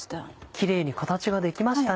キレイに形が出来ましたね。